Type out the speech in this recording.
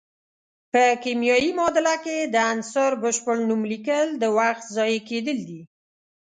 په کیمیاوي معادله کې د عنصر بشپړ نوم لیکل د وخت ضایع کیدل دي.